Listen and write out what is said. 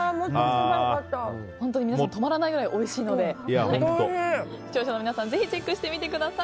本当に皆さん止まらないくらいおいしいので視聴者の皆さんぜひチェックしてみてください。